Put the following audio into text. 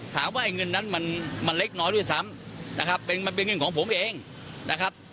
ไอ้เงินนั้นมันเล็กน้อยด้วยซ้ำนะครับเป็นมันเป็นเงินของผมเองนะครับ